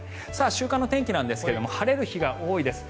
週間の天気なんですが晴れる日が多いです。